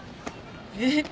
えっ？